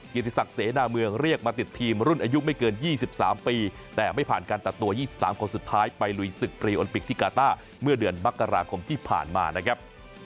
กิจศักดิ์เสนาเมืองเรียกมาติดทีมรุ่นอายุไม่เกิน๒๓ปีแต่ไม่ผ่านการตัดตัว๒๓คนสุดท้ายไปลุยศึกปรีโอลิมปิกที่กาต้าเมื่อเดือนมกราคมที่ผ่านมานะครับ